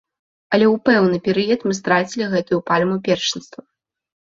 Але ў пэўны перыяд мы страцілі гэтую пальму першынства.